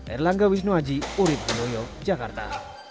erlangga wisnuaji urib mudoyo jakarta